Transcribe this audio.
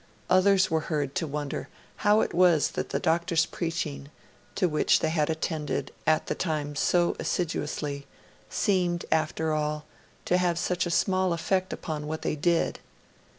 Others were heard to wonder how it was that the Doctor's preaching, to which they had attended at the time so assiduously, seemed, after all, to have such a small effect upon what they did.